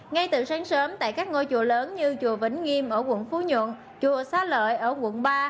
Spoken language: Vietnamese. ngay từ sáng sớm tại các ngôi chùa lớn như chùa vĩnh nghiêm ở quận phú nhuận chùa xá lợi ở quận ba